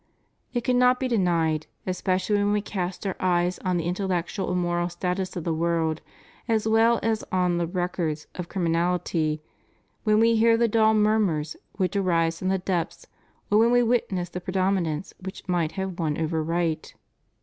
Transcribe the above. It cannot be denied, especially when we cast our eyes on the intel lectual and moral status of the world as well as on the records of criminahty, when we hear the dull murmurs which arise from the depths, or when we witness the pre dominance which might has won over right.